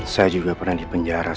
saya juga pernah di penjara